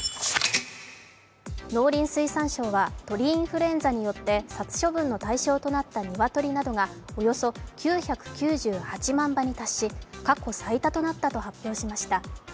農林水産省は鳥インフルエンザによって殺処分の対象となった鶏などがおよそ９９８万羽に達し、過去最多となったと発表しました。